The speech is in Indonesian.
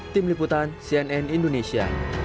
tim liputan cnn indonesia